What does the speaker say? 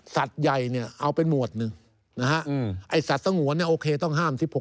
สัตว์ใหญ่เอาเป็นหมวดหนึ่ง